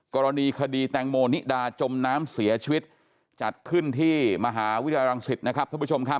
กรณีคดีแตงโมนิดาจมน้ำเสียชีวิตจัดขึ้นที่มหาวิทยาลังศิษย์นะครับท่านผู้ชมครับ